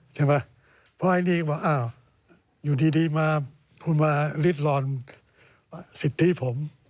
ใช่ไหมเพราะไอ้นี่ก็บอกอ้าวอยู่ดีมาคุณมาริดรอนสิทธิผม